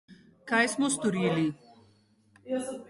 Kaj smo storili?